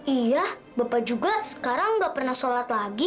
iya bapak juga sekarang nggak pernah sholat lagi